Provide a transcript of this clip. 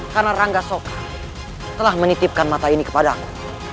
karena rangga sokha telah menitipkan mata ini kepada aku